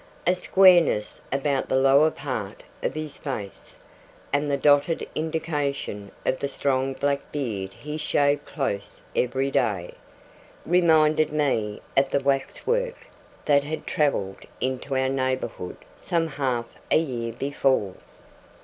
A squareness about the lower part of his face, and the dotted indication of the strong black beard he shaved close every day, reminded me of the wax work that had travelled into our neighbourhood some half a year before.